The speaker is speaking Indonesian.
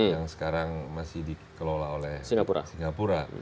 yang sekarang masih dikelola oleh singapura